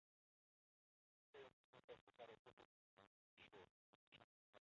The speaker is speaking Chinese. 西区位于嘉义市西隅。